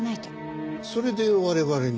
それで我々に？